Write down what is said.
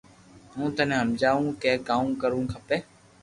ھون ٽني ھمجاو ڪي ڪاو ڪرو کپي